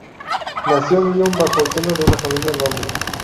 Nació en Lyon bajo el seno de una familia noble.